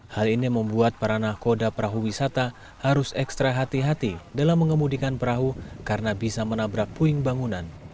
hal ini membuat para nakoda perahu wisata harus ekstra hati hati dalam mengemudikan perahu karena bisa menabrak puing bangunan